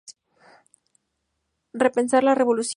Repensar la revolución".